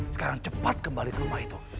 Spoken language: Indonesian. sekarang cepat kembali ke rumah itu